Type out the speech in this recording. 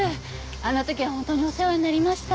あの時は本当にお世話になりました。